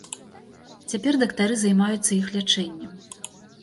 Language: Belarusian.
Цяпер дактары займаюцца іх лячэннем.